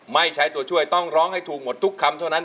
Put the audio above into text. ใช้ตัวช่วยต้องร้องให้ถูกหมดทุกคำเท่านั้น